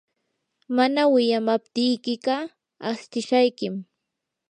mana wiyamaptiykiqa astishaykim.